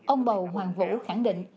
ông bầu hoàng vũ khẳng định